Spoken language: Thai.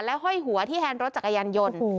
และห้อยหัวที่แทนรถจากกายันยนต์